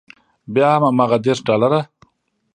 بیا هم هماغه دېرش ډالره.